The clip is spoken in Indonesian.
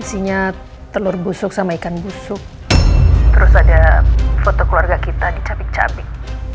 isinya telur busuk sama ikan busuk terus ada foto keluarga kita dicabik cabik